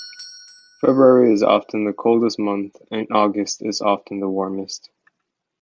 February is often the coldest month, and August is often the warmest.